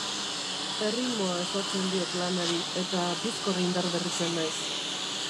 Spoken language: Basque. Erritmoa ezartzen diot lanari, eta bizkor indarberritzen naiz.